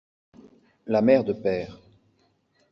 La mère de Pêr.